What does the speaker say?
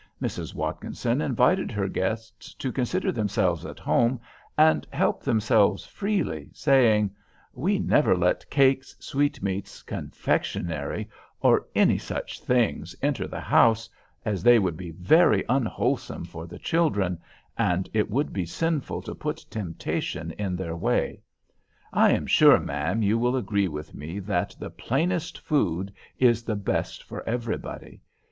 Mrs. Watkinson invited her guests to consider themselves at home and help themselves freely, saying: "We never let cakes, sweetmeats, confectionery, or any such things enter the house, as they would be very unwholesome for the children, and it would be sinful to put temptation in their way. I am sure, ma'am, you will agree with me that the plainest food is the best for everybody.